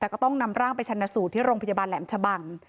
แต่ก็ต้องนำร่างไปชนะสูตรที่โรงพยาบาลแหลมชะบัง